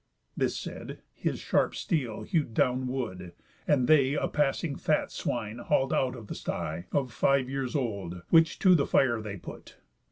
This said, his sharp steel hew'd down wood, and they A passing fat swine hal'd out of the sty, Of five years old, which to the fire they put.